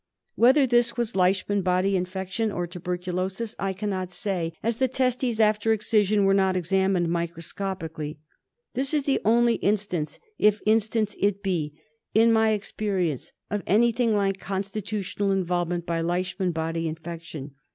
Whether this was Leishman body infection or tuberculosis I cannot say, as the testes after excision were not examined micro scopically. This is the only instance, if instance it be, in my experience of anything like constitutional involve ment by Leishman body infection.